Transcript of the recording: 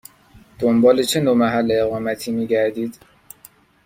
دنبال چه نوع محل اقامتی می گردید؟